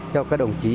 cho các đồng chí